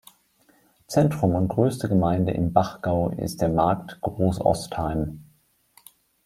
Zentrum und größte Gemeinde im Bachgau ist der Markt Großostheim.